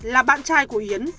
là bạn trai của yến